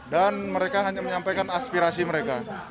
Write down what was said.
dan mereka hanya menyampaikan aspirasi mereka